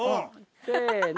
せの。